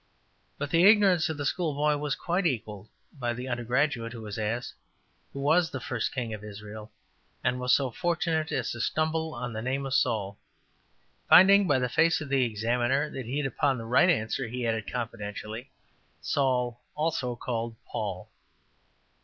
'' But the ignorance of the schoolboy was quite equalled by the undergraduate who was asked ``Who was the first king of Israel?'' and was so fortunate as to stumble on the name of Saul. Finding by the face of the examiner that he had hit upon the right answer, he added confidentially, ``Saul, also called Paul.''